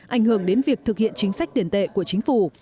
ảnh hưởng đến việc thực hiện chính sách tiền tệ của chính phủ